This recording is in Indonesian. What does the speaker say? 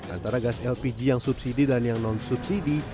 antara gas lpg yang subsidi dan yang non subsidi